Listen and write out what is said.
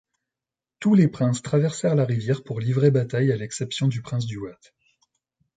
Tous les princes traversèrent la rivière pour livrer bataille à l'exception du prince Duwat.